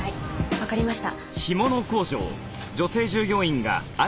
わかりました。